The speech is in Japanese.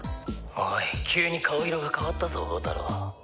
「おい急に顔色が変わったぞ宝太郎」